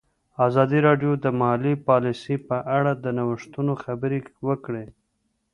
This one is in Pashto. ازادي راډیو د مالي پالیسي په اړه د نوښتونو خبر ورکړی.